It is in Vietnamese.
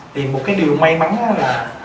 thì một cái điều may mắn đó là